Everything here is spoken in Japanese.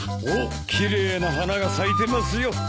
おっ奇麗な花が咲いてますよ。